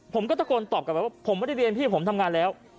ผมก็ตะโกนตอบกลับไปว่าผมไม่ได้เรียนพี่ผมทำงานแล้ว